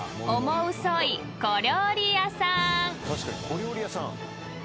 「小料理屋さん」